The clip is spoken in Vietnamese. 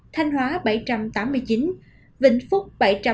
thanh hóa bảy trăm tám mươi chín vĩnh phúc bảy trăm hai mươi chín